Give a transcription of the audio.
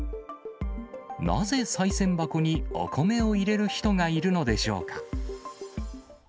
なぜ、さい銭箱にお米を入れる人がいるのでしょうか。